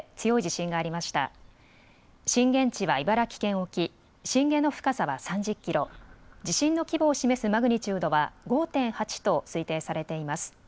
震源地は茨城県沖、震源の深さは３０キロ、地震の規模を示すマグニチュードは５．８と推定されています。